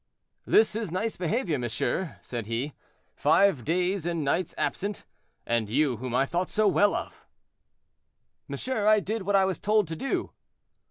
"This is nice behavior, monsieur," said he; "five days and nights absent; and you whom I thought so well of." "Monsieur, I did what I was told to do."